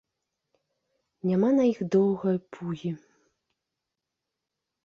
Няма на іх доўгай пугі.